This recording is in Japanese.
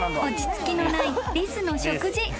［落ち着きのないリスの食事］